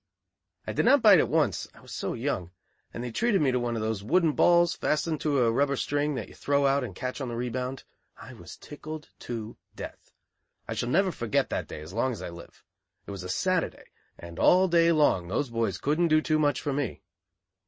I did not bite at once, I was so young, and they treated me to one of those wooden balls fastened to a rubber string that you throw out and catch on the rebound. I was tickled to death. I shall never forget that day as long as I live. It was a Saturday, and all day long those boys couldn't do too much for me.